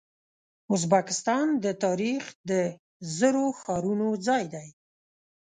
ازبکستان د تاریخ د زرو ښارونو ځای دی.